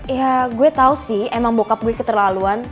ya gue tau sih emang bokap gue keterlaluan